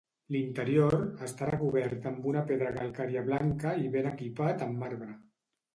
L'interior està recobert amb una pedra calcària blanca i ben equipat amb marbre.